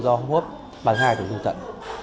tổn thương do hô hấp bằng ai được dùng tận